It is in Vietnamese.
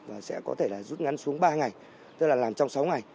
và sẽ có thể là rút ngắn xuống ba ngày tức là làm trong sáu ngày